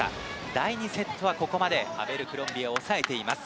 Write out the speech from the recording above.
第２セットはここまでアベルクロンビエを抑えています。